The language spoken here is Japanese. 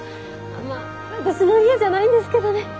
まあ私の家じゃないんですけどね。